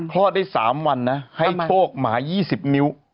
รอดได้๓วันนะให้โชคหมา๒๐นิ้ว